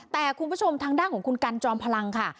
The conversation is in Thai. แต่คุณผู้ชมทางด้านของคุณกันจอมพลังค่ะ